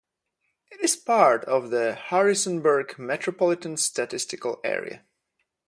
It is part of the Harrisonburg Metropolitan Statistical Area.